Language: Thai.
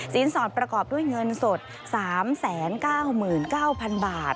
สอดประกอบด้วยเงินสด๓๙๙๐๐บาท